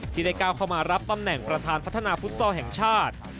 ที่ได้ก้าวเข้ามารับตำแหน่งประธานพัฒนาฟุตซอลแห่งชาติ